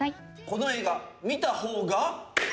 この映画見た方が。